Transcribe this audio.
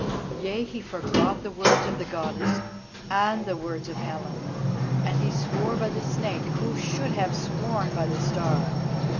Yea, he forgot the words of the Goddess, and the words of Helen, and he swore by the Snake who should have sworn by the Star.